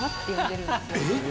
えっ？